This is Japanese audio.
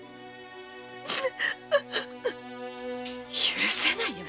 許せないよ。